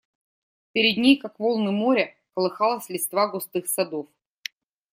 Перед ней, как волны моря, колыхалась листва густых садов.